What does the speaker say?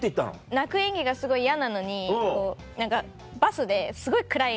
泣く演技がすごい嫌なのに何かバスですごい暗い話。